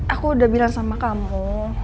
aku udah bilang sama kamu